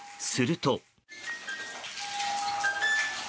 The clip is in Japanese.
すると。